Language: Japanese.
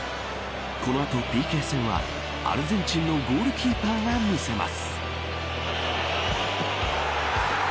この後、ＰＫ戦はアルゼンチンのゴールキーパーが見せます。